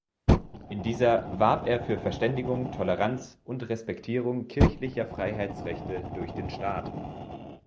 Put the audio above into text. In dieser warb er für Verständigung, Toleranz und Respektierung kirchlicher Freiheitsrechte durch den Staat.